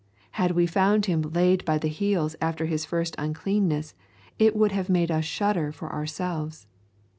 Had we found him laid by the heels after his first uncleanness, it would have made us shudder for ourselves.